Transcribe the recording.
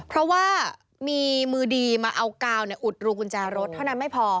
เพราะว่ามีมือดีมาเอากาวกุญแจรถเพราะหน่อยไม่พอ